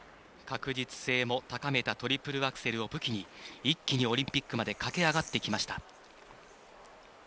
確実性も高めたトリプルアクセルを武器に一気にオリンピックまで駆け上がってきました。